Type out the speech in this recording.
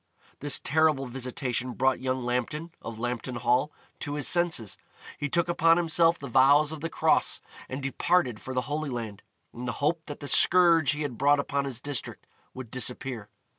This terrible visitation brought young Lambton, of Lambton Hall, to his senses. He took upon himself the vows of the Cross, and departed for the Holy Land, in the hope that the scourge he had brought upon his district would disappear.